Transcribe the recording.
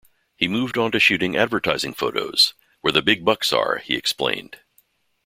He moved on to shooting advertising photos, "where the big bucks are," he explained.